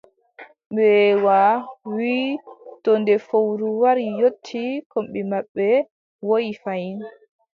Mbeewa wii: to nde fowru wari yotti kombi maɓɓe, woyi fayin.